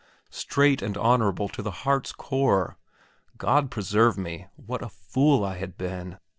straight and honourable to the heart's core. God preserve me, what a fool I had been!